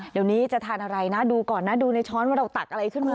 เดี๋ยวนี้จะทานอะไรนะดูก่อนนะดูในช้อนว่าเราตักอะไรขึ้นมา